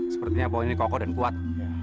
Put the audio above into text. sepertinya pohon ini kokoh dan kuat